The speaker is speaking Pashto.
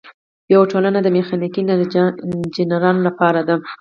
یوه ټولنه د میخانیکي انجینرانو لپاره ده.